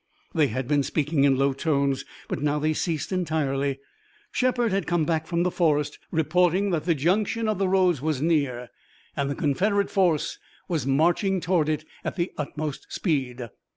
They had been speaking in low tones, but now they ceased entirely. Shepard had come back from the forest, reporting that the junction of the roads was near, and the Confederate force was marching toward it at the utmost speed.